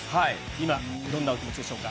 今、どんなお気持ちでしょうか。